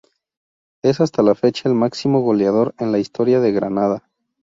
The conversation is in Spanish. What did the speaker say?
Es hasta la fecha el máximo goleador en la historia del Granada.